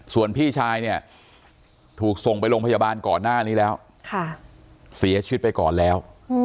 ส่วนพี่ชายเนี่ยถูกส่งไปโรงพยาบาลก่อนหน้านี้แล้วเสียชีวิตไปก่อนแล้ว